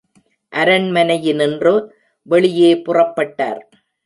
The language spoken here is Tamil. அரண்மனையினின்று வெளியே புறப்பட்டார்.